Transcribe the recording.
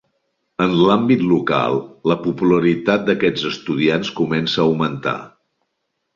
En l'àmbit local, la popularitat d'aquests estudiants començà a augmentar.